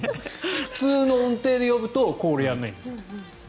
普通の音程で呼ぶとこれ、やらないんですって。